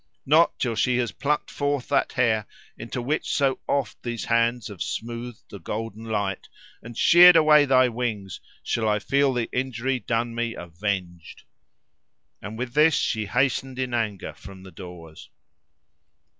Not till she has plucked forth that hair, into which so oft these hands have smoothed the golden light, and sheared away thy wings, shall I feel the injury done me avenged." And with this she hastened in anger from the doors.